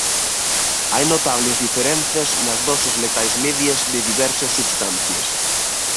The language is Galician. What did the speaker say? Hai notables diferenzas nas doses letais medias de diversas substancias.